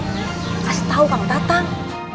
kasih tau kang tatang